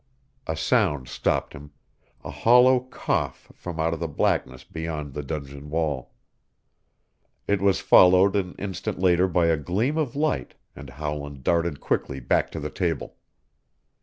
A sound stopped him, a hollow cough from out of the blackness beyond the dungeon wall. It was followed an instant later by a gleam of light and Howland darted quickly back to the table.